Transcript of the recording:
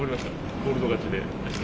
コールド勝ちで。